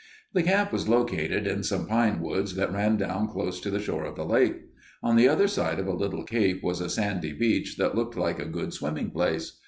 The camp was located in some pine woods that ran down close to the shore of the lake. On the other side of a little cape was a sandy beach that looked like a good swimming place.